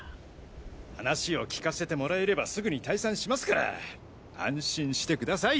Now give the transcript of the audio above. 話を聞かせてもらえればすぐに退散しますから安心してください。